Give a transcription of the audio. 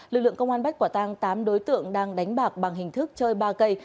lực lượng công an bắt quả tang tám đối tượng đang đánh bạc bằng hình thức chơi ba cây